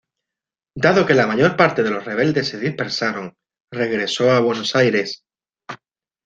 Dado que la mayor parte de los rebeldes se dispersaron, regresó a Buenos Aires.